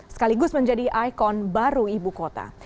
sekaligus menjadi ikon baru ibu kota